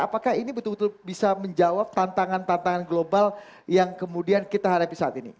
apakah ini betul betul bisa menjawab tantangan tantangan global yang kemudian kita hadapi saat ini